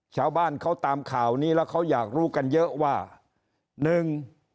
ชาวบ้านเขาตามข่าวนี้แล้วเขาอยากรู้กันเยอะว่าหนึ่ง